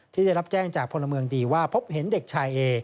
ได้รับแจ้งจากพลเมืองดีว่าพบเห็นเด็กชายเอ